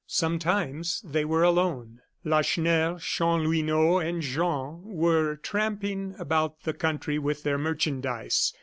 Sometimes they were alone. Lacheneur, Chanlouineau, and Jean were tramping about the country with their merchandise.